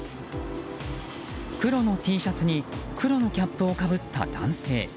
黒のＴシャツに黒のキャップをかぶった男性。